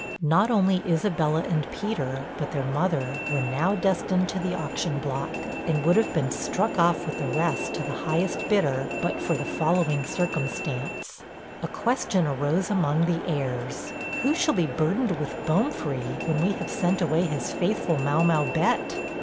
Not only Isabella and Peter, but their mother, were now destined to the auction block, and would have been struck off with the rest to the highest bidder, but for the following circumstance: A question arose among the heirs, 'Who shall be burdened with Bomefree, when we have sent away his faithful Mau mau Bett?'